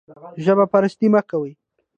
ژب پرستي مه کوئ